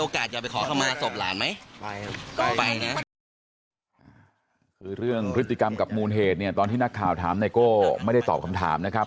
คือเรื่องพฤติกรรมกับมูลเหตุเนี่ยตอนที่นักข่าวถามไนโก้ไม่ได้ตอบคำถามนะครับ